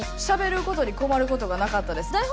しゃべることに困ることがなかったです。